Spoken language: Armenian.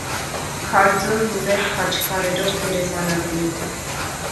Քարձորն ուներ խաչքարերով գերեզմանատուն։